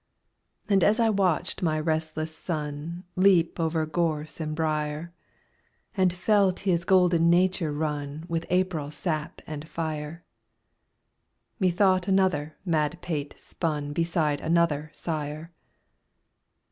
And as I watched my restless son Leap over gorse and briar, And felt his golden nature run With April sap and fire, Methought another madpate spun Beside another sire.